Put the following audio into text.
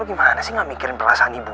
lo gimana sih gak mikirin perasaan ibu lo